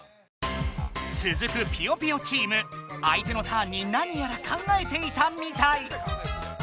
続くぴよぴよチームあいてのターンになにやら考えていたみたい。